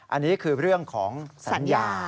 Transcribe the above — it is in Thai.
อันนี้คือเรื่องของสัญญา